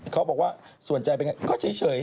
เขาบอกว่าส่วนใจเป็นอย่างไรก็เฉย